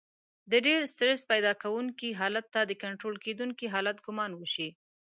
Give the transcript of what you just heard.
د ډېر سټرس پيدا کوونکي حالت ته د کنټرول کېدونکي حالت ګمان وشي.